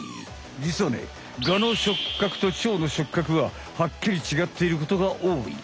じつはねガの触角とチョウの触角ははっきり違っていることがおおい。